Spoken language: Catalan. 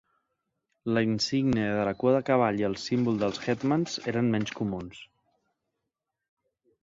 La insígnia de la cua de cavall i el símbol dels Hetmans eren menys comuns.